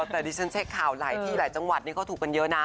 แต่ดิฉันเช็คข่าวหลายที่หลายจังหวัดนี้เขาถูกกันเยอะนะ